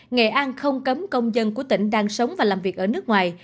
nghệ an không cấm công dân của tỉnh đang sống và làm việc ở nước ngoài